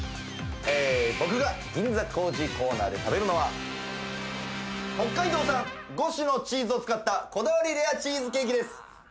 僕が銀座コージーコーナーで食べるのは北海道産５種のチーズを使ったこだわりレアチーズケーキです。